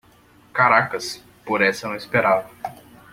Caracas! Por essa, eu não esperava!